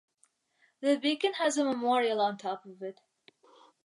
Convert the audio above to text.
The beacon has a memorial on top of it.